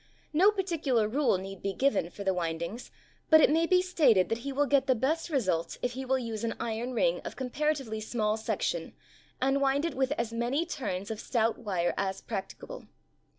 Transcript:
No particular rule need be given for the wind ings but it may be stated that he will get the best results if he will use an iron ring of comparatively small section and wind it with as many turns of stout wire as prac ticable.